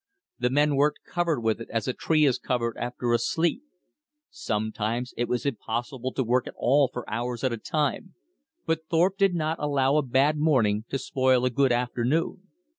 The men worked covered with it as a tree is covered after a sleet. Sometimes it was impossible to work at all for hours at a time, but Thorpe did not allow a bad morning to spoil a good afternoon.